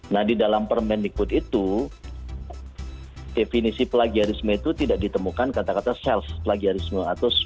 nah di dalam permendikbud itu definisi plagiarisme itu tidak ditemukan kata kata self plagiarisme